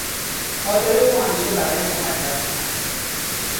خاطرهی او همیشه برایم مقدس خواهد بود.